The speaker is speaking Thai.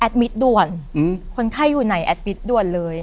ด่วนคนไข้อยู่ไหนแอดมิตรด่วนเลย